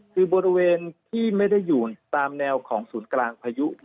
คือบริเวณที่ไม่ได้อยู่ตามแนวของศูนย์กลางพายุ